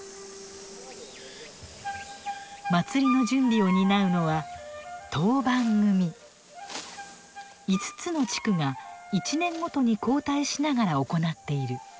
祭りの準備を担うのは５つの地区が１年ごとに交代しながら行っている。